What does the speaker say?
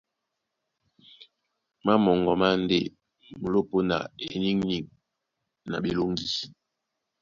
Má moŋgo má e ndé/ Mulópō na eniŋniŋ na ɓeloŋgi.